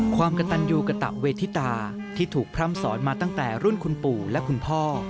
ความกระตันยูกระตะเวทิตาที่ถูกพร่ำสอนมาตั้งแต่รุ่นคุณปู่และคุณพ่อ